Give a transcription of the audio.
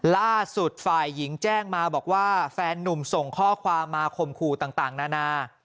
ล่าสุดฝ่ายหญิงแจ้งมาบอกว่าแฟนนุ่มส่งข้อความมาข่มขู่ต่างนานา